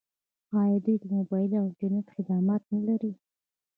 آیا دوی د موبایل او انټرنیټ خدمات نلري؟